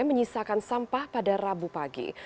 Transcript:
menyisakan sampah pada rabu pagi